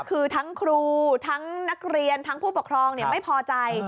คือทั้งครูทั้งนักเรียนทั้งผู้ปกครองไม่พอใจ